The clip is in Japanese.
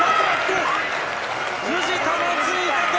藤田の追加点！